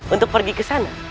untuk pergi ke sana